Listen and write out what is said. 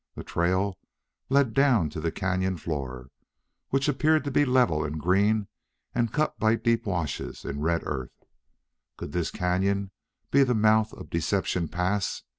The trail led down to the cañon floor, which appeared to be level and green and cut by deep washes in red earth. Could this cañon be the mouth of Deception Pass?